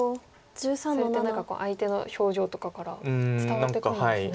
それって何か相手の表情とかから伝わってくるんですね。